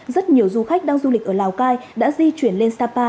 rất nhiều du khách đang du lịch ở lào cai đã di chuyển lên sapa